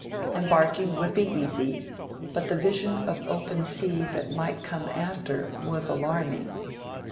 Embarking would be easy, but the vision of open sea that might come after was alarming.